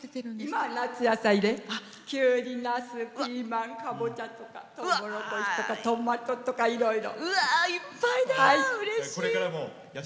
今は夏野菜きゅうり、ナス、ピーマンかぼちゃとうもろこしとか、トマトとかいろいろ。